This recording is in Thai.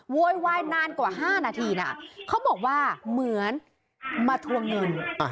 โวยวายนานกว่า๕นาทีนะเขาบอกว่าเหมือนมาทวงเงิน